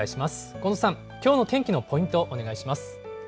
近藤さん、きょうの天気のポイント、お願いします。